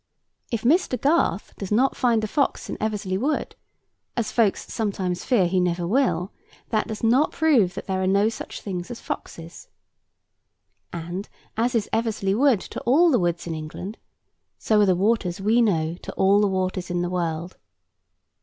If Mr. Garth does not find a fox in Eversley Wood—as folks sometimes fear he never will—that does not prove that there are no such things as foxes. And as is Eversley Wood to all the woods in England, so are the waters we know to all the waters in the world.